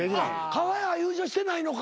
かが屋は優勝してないのか。